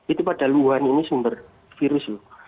itu pada wuhan ini sumber virus loh